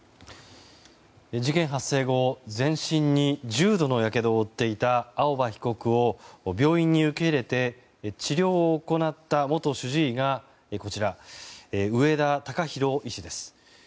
事件発生後全身に重度のやけどを負っていた青葉被告を病院に受け入れて治療を行った元主治医が上田敬博医師です。